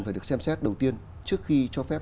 phải được xem xét đầu tiên trước khi cho phép